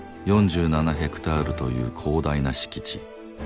４７ヘクタールという広大な敷地。